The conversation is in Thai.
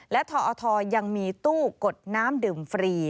และทอทยังมีตู้กดน้ำดื่มฟรี